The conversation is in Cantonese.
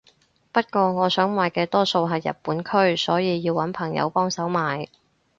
不過我想買嘅多數係日本區所以要搵朋友幫手買